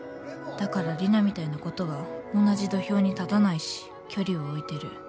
だからリナみたいな子とは同じ土俵に立たないし距離を置いてる。